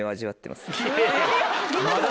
まだ？